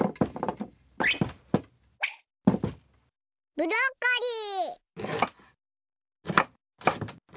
ブロッコリー！